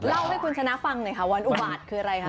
เล่าให้คุณชนะฟังหน่อยค่ะวันอุบาทคืออะไรคะ